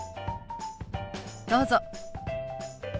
どうぞ。